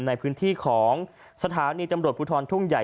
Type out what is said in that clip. ในพื้นที่ของสถานีตำรวจภูทรทุ่งใหญ่